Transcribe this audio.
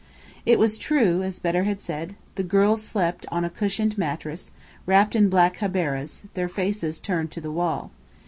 It was true, as Bedr had said; the girls slept on a cushioned mattress, wrapped in black habberahs, their faces turned to the wall.